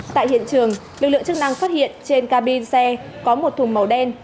tại hiện trường lực lượng chức năng phát hiện trên cabin xe có một thùng màu đen